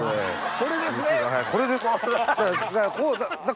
これです！